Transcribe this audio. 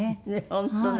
本当ね。